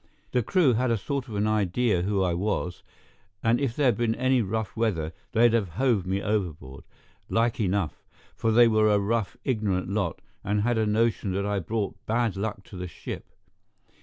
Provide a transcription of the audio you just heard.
The crew had a sort of an idea who I was, and if there'd been any rough weather, they'd have hove me overboard, like enough; for they were a rough, ignorant lot, and had a notion that I brought bad luck to the ship.